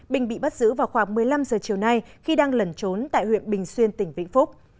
bình bị bắt giữ vào khoảng một mươi năm giờ chiều nay khi đang lẩn trốn tại huyện bình xuyên tỉnh vĩnh phúc